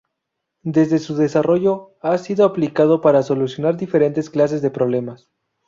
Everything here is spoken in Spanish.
Desde su desarrollo, ha sido aplicado para solucionar diferentes clases de problemas.